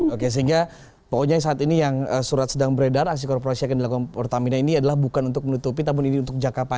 oke sehingga pokoknya saat ini yang surat sedang beredar aksi korporasi akan dilakukan pertamina ini adalah bukan untuk menutupi namun ini untuk jangka panjang